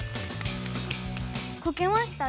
こけました。